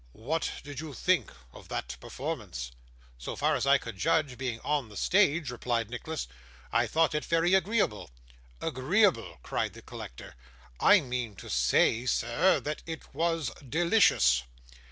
'What did you think of that performance?' 'So far as I could judge, being on the stage,' replied Nicholas, 'I thought it very agreeable.' 'Agreeable!' cried the collector. 'I mean to say, sir, that it was delicious.